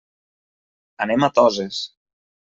Anem a Toses.